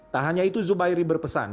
tak hanya itu zubairi berpesan